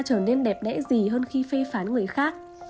trở nên đẹp đẽ gì hơn khi phê phán người khác